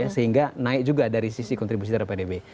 sehingga naik juga dari sisi kontribusi dari pdb